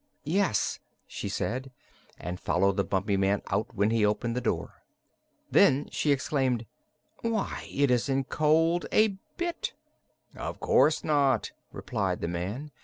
"Yes," she said, and followed the Bumpy Man out when he opened the door. Then she exclaimed: "Why, it isn't cold a bit!" "Of course not," replied the man.